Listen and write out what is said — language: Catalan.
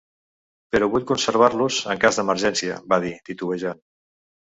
"Però vull conservar-los en cas d'emergència", va dir, titubejant.